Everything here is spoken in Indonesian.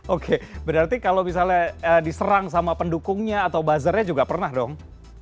oke berarti kalau misalnya diserang sama pendukungnya atau buzzernya juga pernah dong